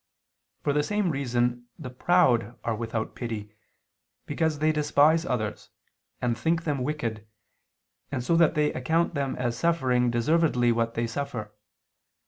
For the same reason the proud are without pity, because they despise others, and think them wicked, so that they account them as suffering deservedly whatever they suffer.